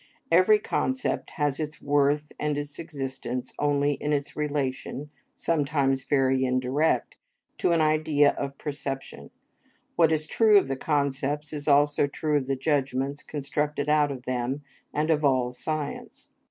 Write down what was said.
Every concept has its worth and its existence only in its relation, sometimes very indirect, to an idea of perception; what is true of the concepts is also true of the judgments constructed out of them, and of all science.